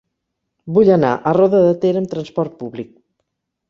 Vull anar a Roda de Ter amb trasport públic.